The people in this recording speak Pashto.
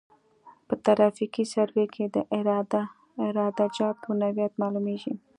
په ترافیکي سروې کې د عراده جاتو نوعیت معلومیږي